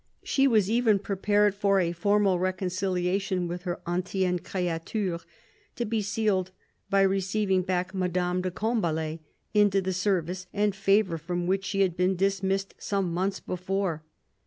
She was even prepared for a formal reconciliation with her " antienne creature," to be sealed by receiving back Madame de Combalet into the service and favour from which she had been dismissed some months before.